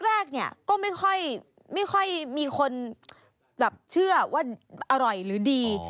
แรกเนี่ยก็ไม่ค่อยมีคนแบบเชื่อว่าอร่อยหรือดี